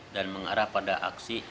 dan mengarah pada aksi